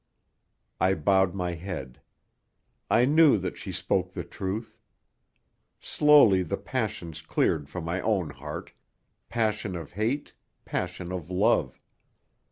I bowed my head. I knew that she spoke the truth. Slowly the passions cleared from my own heart passion of hate, passion of love.